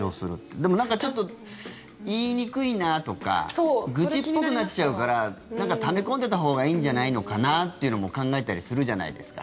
でもなんか、ちょっと言いにくいなとか愚痴っぽくなっちゃうからため込んでたほうがいいんじゃないのかなというのも考えたりするじゃないですか。